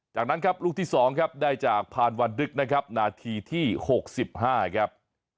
จากนั้นครับลูกที่๒ครับได้จากพานวันดึกนะครับนาทีที่๖๕ครับ